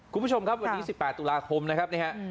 คุณผู้ชมครับวันนี้๑๘ตุฯแรมนะครับ